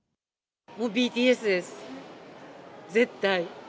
もうＢＴＳです、絶対。